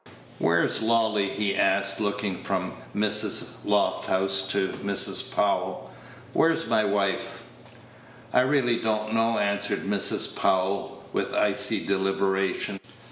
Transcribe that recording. "Where's Lolly?" he asked looking from Mrs. Lofthouse to Mrs. Powell; "where's my wife?" "I really do not know," answered Mrs. Powell, with icy deliberation.